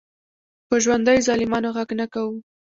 په ژوندیو ظالمانو غږ نه کوو.